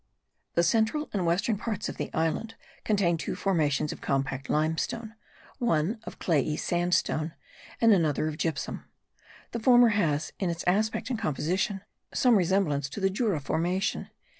The central and western parts of the island contain two formations of compact limestone; one of clayey sandstone and another of gypsum. The former has, in its aspect and composition, some resemblance to the Jura formation.